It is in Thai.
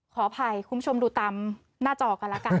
ขออภัยคุณผู้ชมดูตามหน้าจอกันแล้วกัน